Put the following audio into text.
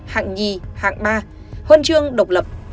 hạng hai hạng ba huân chương độc lập